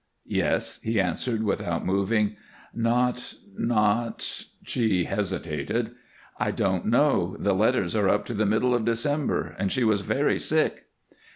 "Yes," he answered, without moving. "Not not " she hesitated. "I don't know. The letters are up to the middle of December, and she was very sick."